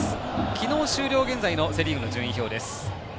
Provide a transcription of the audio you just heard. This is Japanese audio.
昨日終了現在のセ・リーグの順位表です。